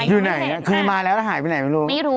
อยู่ไหนเคยมาแล้วแล้วหายไปไหนไม่รู้